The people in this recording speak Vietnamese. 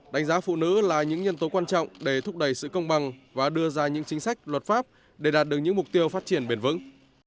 đánh giá phụ nữ là những nhân tố quan trọng để thúc đẩy sự công bằng và đưa ra những chính sách luật pháp để đạt được những mục tiêu phát triển bền vững